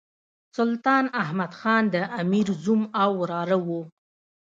سلطان احمد خان د امیر زوم او وراره وو.